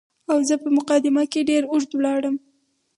او زه په مقدمه کې ډېر اوږد ولاړم.